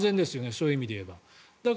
そういう意味で言えば。